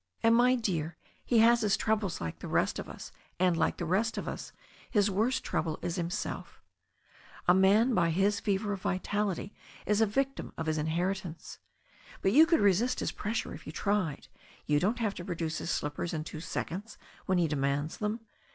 ''And, my dear, he has his troubles like the rest of us, and, like the rest of us, his worst trouble is himself. A man driven by his fever of vitality is a victim of his inher itance. But you could resist his pressure if you tried. You don't have to produce his slippers in two seconds when he demands them.